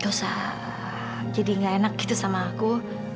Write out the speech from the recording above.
gak usah jadi gak enak gitu sama aku